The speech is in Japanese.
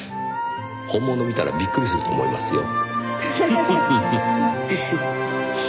本物見たらびっくりすると思いますよ。